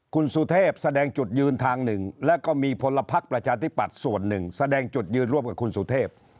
คุณสุเทพแสดงจุดยืนทางหนึ่งแล้วก็มีพลพักประชาธิปัตย์ส่วนหนึ่งแสดงจุดยืนร่วมกับคุณสุเทพ